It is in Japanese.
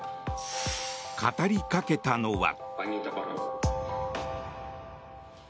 語りかけたのは。